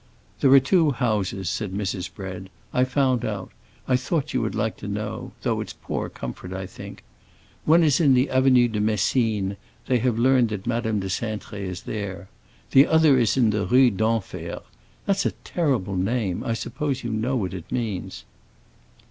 "There are two houses," said Mrs. Bread. "I found out; I thought you would like to know—though it's poor comfort, I think. One is in the Avenue de Messine; they have learned that Madame de Cintré is there. The other is in the Rue d'Enfer. That's a terrible name; I suppose you know what it means."